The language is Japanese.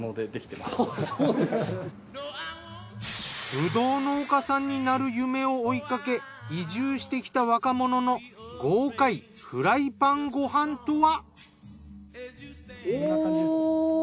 ブドウ農家さんになる夢を追いかけ移住してきた若者の豪快フライパンご飯とは？